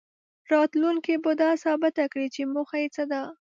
راتلونکې به دا ثابته کړي چې موخه یې څه ده.